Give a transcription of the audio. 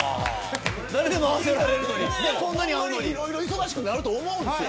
ほんまに、いろいろ忙しくなると思うんですよ。